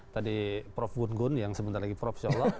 tadi prof gun gun yang sebentar lagi prof